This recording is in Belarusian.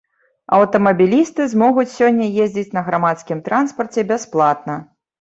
Аўтамабілісты змогуць сёння ездзіць на гарадскім транспарце бясплатна.